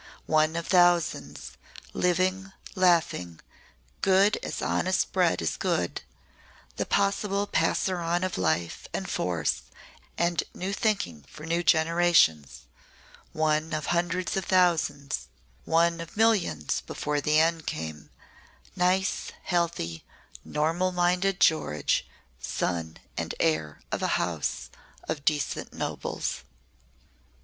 One of thousands living, laughing, good as honest bread is good; the possible passer on of life and force and new thinking for new generations one of hundreds of thousands one of millions before the end came nice, healthy, normal minded George, son and heir of a house of decent nobles.